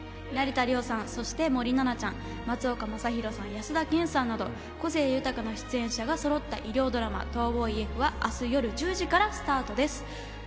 成田凌さん、そして森七菜ちゃん、松岡昌宏さん、安田顕さんなど個性豊かな出演者がそろった医療ドラマ『逃亡医Ｆ』は明日夜１０時からスタートです。